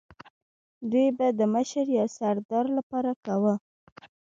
دوی به د مشر یا سردار لپاره کاروی